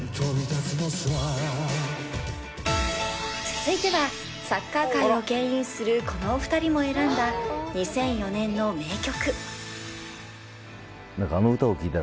［続いてはサッカー界をけん引するこのお２人も選んだ２００４年の名曲］